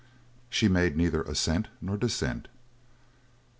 She made neither assent nor dissent.